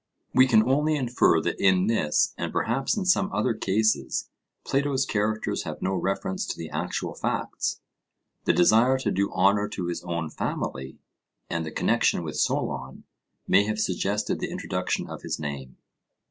We can only infer that in this, and perhaps in some other cases, Plato's characters have no reference to the actual facts. The desire to do honour to his own family, and the connection with Solon, may have suggested the introduction of his name.